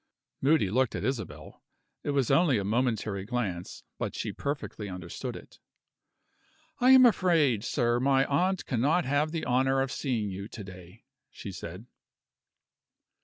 Moody looked at Isabel. It was only a momentary glance, but she perfectly understood it. "I am afraid, sir, my aunt cannot have the honor of seeing you to day," she said.